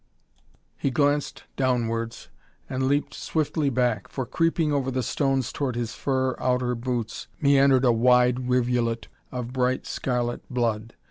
He glanced downwards and leaped swiftly back, for, creeping over the stones towards his fur outer boots, meandered a wide rivulet of bright scarlet blood.